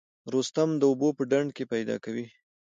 رستم د اوبو په ډنډ کې پیدا کوي.